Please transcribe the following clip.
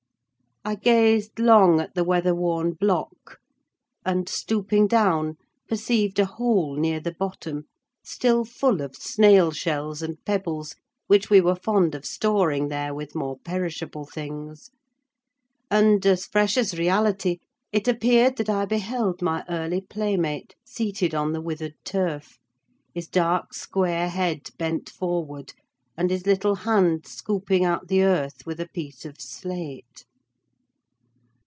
I gazed long at the weather worn block; and, stooping down, perceived a hole near the bottom still full of snail shells and pebbles, which we were fond of storing there with more perishable things; and, as fresh as reality, it appeared that I beheld my early playmate seated on the withered turf: his dark, square head bent forward, and his little hand scooping out the earth with a piece of slate.